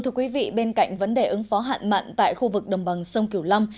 thưa quý vị bên cạnh vấn đề ứng phó hạn mặn tại khu vực đồng bằng sông kiểu long